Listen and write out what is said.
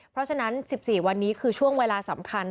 เพราะฉะนั้น๑๔วันนี้คือช่วงเวลาสำคัญ